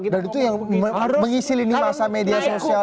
dan itu yang mengisi lindungi masa media sosial